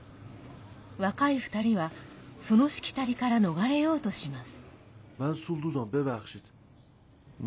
若い２人は、そのしきたりから逃れようとします。